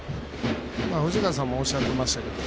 藤川さんもおっしゃってましたけど